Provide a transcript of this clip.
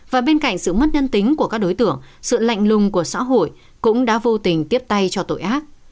và bên cạnh sự mất nhân tính của các đối tượng sự lạnh lùng của xã hội cũng đã vô tình tiếp tay cho tội ác